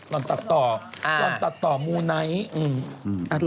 อนตัดต่อหล่อนตัดต่อมูไนท์